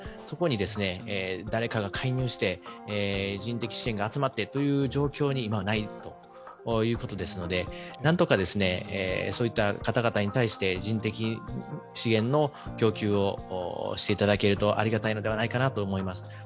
そこに誰かが介入して人的支援が集まってという状況に今はないということですのでなんとかそういった方々に対して人的資源の供給をしていただけるとありがたいのではないかなと思います。